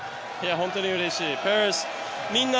本当にうれしい。